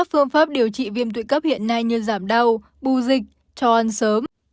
phương pháp điều trị viêm tụy cấp hiện nay như giảm đau bù dịch cho ăn sớm